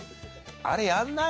あれやんない？